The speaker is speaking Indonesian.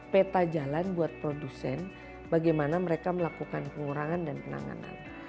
peta jalan buat produsen bagaimana mereka melakukan pengurangan dan penanganan